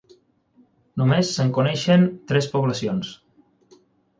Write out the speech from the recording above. Només se'n coneixen tres poblacions.